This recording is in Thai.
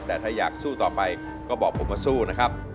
แต่ถ้าอยากสู้ต่อไปก็บอกผมว่าสู้นะครับ